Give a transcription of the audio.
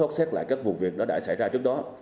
và sốt xét lại các vụ việc đã xảy ra trước đó